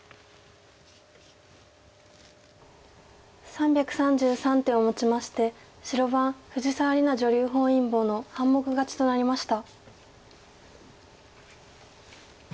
３３３手をもちまして白番藤沢里菜女流本因坊の半目勝ちとなりました。